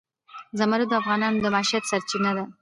زمرد د افغانانو د معیشت سرچینه ده.